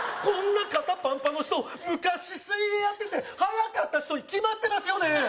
こんな肩パンパンの人昔水泳やってて速かった人に決まってますよね？